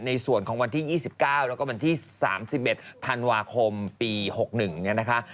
ในส่วนของวันที่๒๙แล้วก็วันที่๓๑ธันวาคมปี๖๑เนี่ยนะคะ